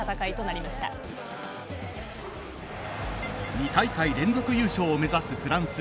２大会連続優勝を目指すフランス。